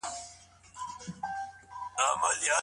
سياست د همدغو کشمکشونو مشرتوب کوي.